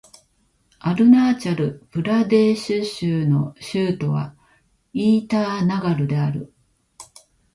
アルナーチャル・プラデーシュ州の州都はイーターナガルである